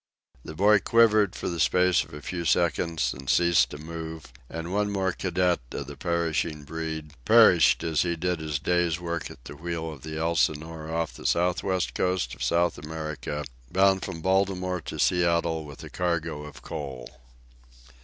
The boy quivered for the space of a few seconds, and ceased to move; and one more cadet of the perishing breed perished as he did his day's work at the wheel of the Elsinore off the west coast of South America, bound from Baltimore to Seattle with a cargo of coal.